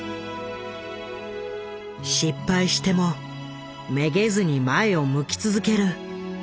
失敗してもめげずに前を向き続ける彼らのように。